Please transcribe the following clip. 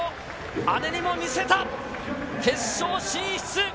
姉にも見せた決勝進出。